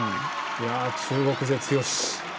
中国勢、強し。